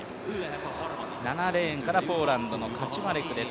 ７レーンからポーランドのカチュマレクです。